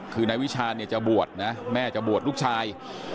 คือนายวิชาณเนี่ยจะบวชนะแม่จะบวชลูกชาย